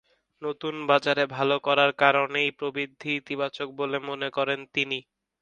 নতুন বাজারে ভালো করার কারণেই প্রবৃদ্ধি ইতিবাচক বলে মনে করেন তিনি।